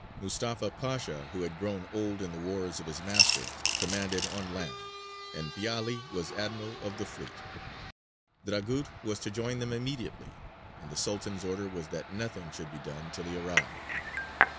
Mustafa Pasha who had grown old in the wars of his master, commanded on land, and Piāli was admiral of the fleet. Dragut was to join them immediately, and the Sultan's order was that nothing should be done till he arrived.